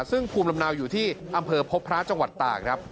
ซึ่งภูมิลำเนาอยู่ที่อำเภอพบพระจังหวัดตากครับ